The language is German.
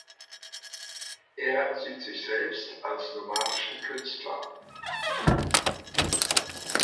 Er sieht sich selbst als nomadischen Künstler.